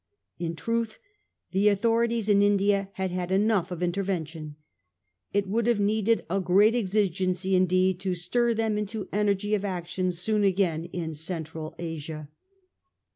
In truth the authorities in India had had enough of intervention. It would have needed a great exigency indeed to stir them into energy of action soon again in Central Asia.